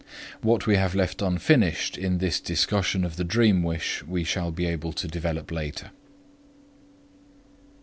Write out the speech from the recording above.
What we have left unfinished in this discussion of the dream wish we shall be able to develop later.